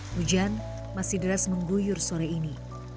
hujan masih deras mengguyur sore ini